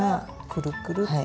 くるくるっと。